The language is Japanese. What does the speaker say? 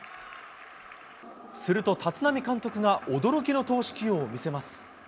すると立浪監督が、驚きの投手起用を見せます。